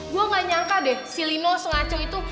gue gak nyangka deh si lino sengaco itu